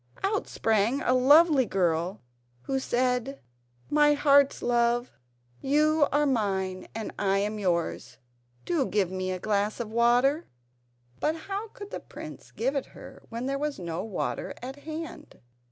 out sprang a lovely girl, who said: "My heart's love, you are mine and I am yours; do give me a glass of water." But how could the prince give it her when there was no water at hand?